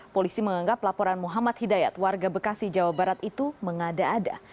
polisi menganggap laporan muhammad hidayat warga bekasi jawa barat itu mengada ada